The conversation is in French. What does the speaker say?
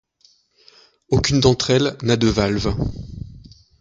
Aucune d'entre elles n'a de valve.